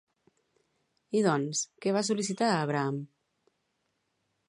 I doncs, què va sol·licitar a Abraham?